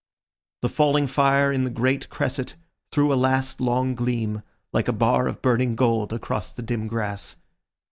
The falling fire in the great cresset threw a last long gleam, like a bar of burning gold, across the dim grass.